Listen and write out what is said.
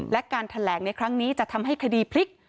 และการแถลงในครั้งนี้จะทำให้คดีพลิก